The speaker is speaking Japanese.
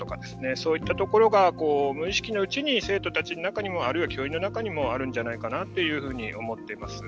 そういったところが無意識のうちに生徒たちの中にもあるいは教員の中にもあるんじゃないかなというふうに思っています。